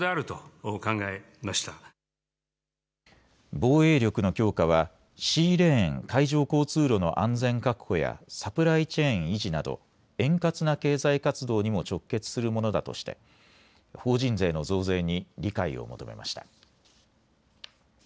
防衛力の強化はシーレーン・海上交通路の安全確保やサプライチェーン維持など円滑な経済活動にも直結するものだとして法人税の増税に理解を求めました。